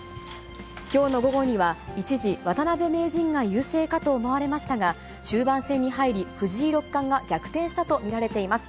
きょうの午後には、一時、渡辺名人が優勢かと思われましたが、終盤戦に入り、藤井六冠が逆転したと見られています。